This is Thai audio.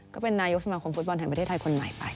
ก็เป็นนายกสมาคมฟุตบอลแห่งประเทศไทยคนใหม่ไป